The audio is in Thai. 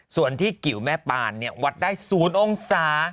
ส่วนที่กิวแม่ปานวัดได้๐องศา